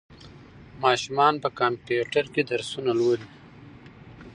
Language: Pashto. ماشومان په کمپیوټر کې درسونه لولي.